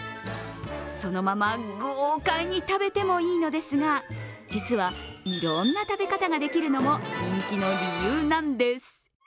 そのまま豪快に食べてもいいのですが、実は、いろんな食べ方ができるのも人気の理由なんです。